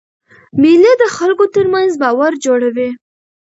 مېلې د خلکو ترمنځ باور جوړوي.